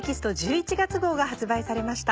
１１月号が発売されました。